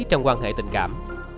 các bạn gái tình cảm